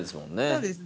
そうですね。